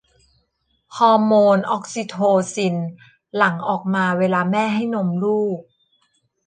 ฮอร์โมนออกซิโทซินหลั่งออกมาเวลาแม่ให้นมลูก